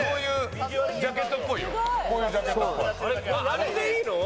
あれでいいの？